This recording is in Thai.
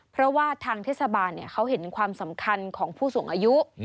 เพราะว่าทางเทศบาลเขาเห็นความสำคัญของผู้สูงอายุ